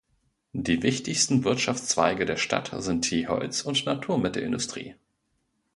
Die wichtigsten Wirtschaftszweige der Stadt sind die Holz- und Nahrungsmittelindustrie.